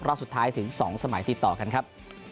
รอสุดท้ายถึงสองสมัยที่ต่อกันครับ